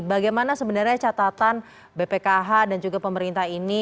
bagaimana sebenarnya catatan bpkh dan juga pemerintah ini